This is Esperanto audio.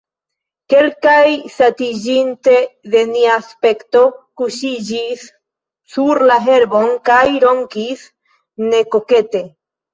Kelkaj, satiĝinte de nia aspekto, kuŝiĝis sur la herbon kaj ronkis nekokete.